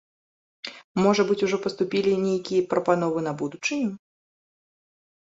Можа быць, ужо паступілі нейкія прапановы на будучыню?